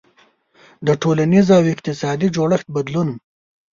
• د ټولنیز او اقتصادي جوړښت بدلون.